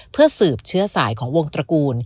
เพื่อสืบเชื้อสายของวงตระกูล